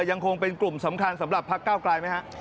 ยังคงเป็นกลุ่มสำคัญสำหรับพักเก้าไกลไหมฮะ